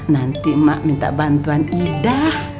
nanti mak minta bantuan ida